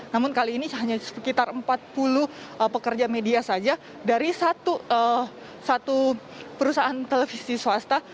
namun kali ini hanya sekitar empat puluh pekerja media saja dari satu perusahaan televisi swasta